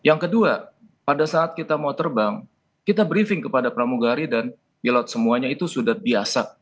yang kedua pada saat kita mau terbang kita briefing kepada pramugari dan pilot semuanya itu sudah biasa